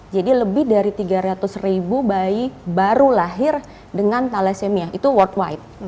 jadi lebih dari tiga ratus ribu bayi baru lahir dengan thalassemia itu world wide